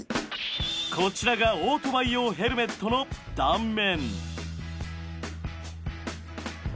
こちらがオートバイ用ヘルメットの断面。